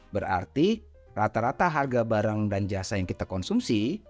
berarti rata rata harga barang dan jasa yang kita konsumsi